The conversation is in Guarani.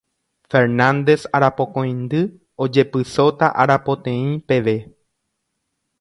Fernández Arapokõindy ojepysóta arapoteĩ peve.